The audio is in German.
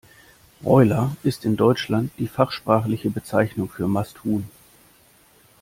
Broiler ist in Deutschland die fachsprachliche Bezeichnung für Masthuhn.